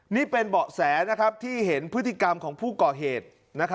นี่เป็นเบาะแสที่เห็นพฤติกรรมของผู้ก่อเหตุ